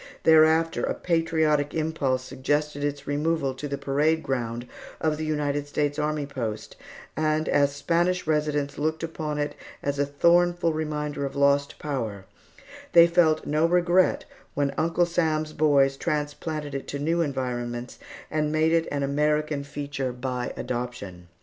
Thereafter, a patriotic impulse suggested its removal to the parade ground of the United States Army post, and as Spanish residents looked upon it as a thornful reminder of lost power they felt no regret when Uncle Sam's boys transplanted it to new environments and made it an American feature by adoption.